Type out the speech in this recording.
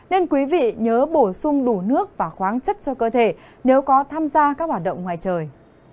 nên quý vị nhớ bổ sung đủ nước và khoáng chất cho cơ thể nếu có tham gia các hoạt động ngoài trời